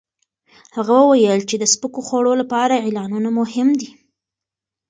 هغه وویل چې د سپکو خوړو لپاره اعلانونه مهم دي.